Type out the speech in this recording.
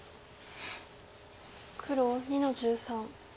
黒２の十三。